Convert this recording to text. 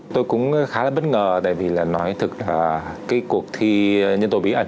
tôi cũng khá là bất ngờ tại vì là nói thật là cái cuộc thi nhân tổ biến